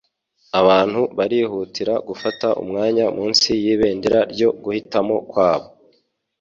Abantu barihutira gufata umwanya munsi y'ibendera ryo guhitamo kwabo.